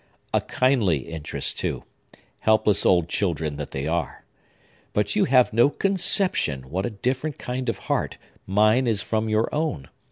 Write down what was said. A kindly interest, too, helpless old children that they are! But you have no conception what a different kind of heart mine is from your own.